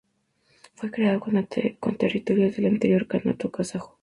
Fue creado con territorios del anterior Kanato Kazajo.